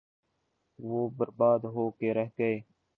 وہ برباد ہو کے رہ گئے۔